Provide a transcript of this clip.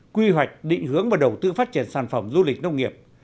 quy hoạch định hướng và đầu tư phát triển sản phẩm du lịch nông nghiệp